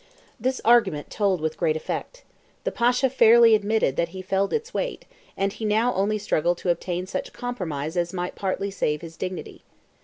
This argument told with great effect. The Pasha fairly admitted that he felt its weight, and he now only struggled to obtain such a compromise as might partly save his dignity.